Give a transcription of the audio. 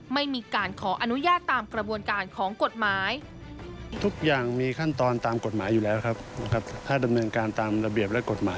ไม่มีการขออนุญาตตามกระบวนการของกฎหมาย